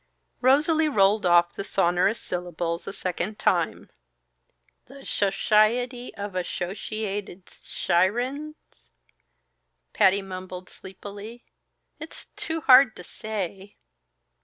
Rosalie rolled off the sonorous syllables a second time. "The Sho shiety of Ash sho she ated Shi rens," Patty mumbled sleepily. "It's too hard to say."